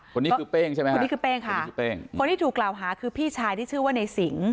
คนนี้คือเป้งใช่ไหมคนนี้คือเป้งค่ะคนนี้คือเป้งคนที่ถูกกล่าวหาคือพี่ชายที่ชื่อว่าในสิง